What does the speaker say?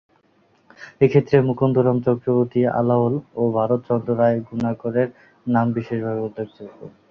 এক্ষেত্রে মুকুন্দরাম চক্রবর্তী, আলাওল ও ভারতচন্দ্ররায় গুণাকরের নাম বিশেষভাবে উল্লেখযোগ্য।